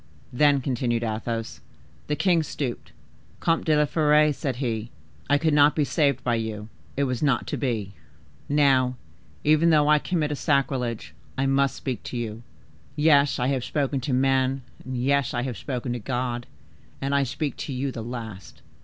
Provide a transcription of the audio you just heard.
"Then," continued Athos, "the king stooped. 'Comte de la Fere,' said he, 'I could not be saved by you: it was not to be. Now, even though I commit a sacrilege, I must speak to you. Yes, I have spoken to men—yes, I have spoken to God, and I speak to you the last.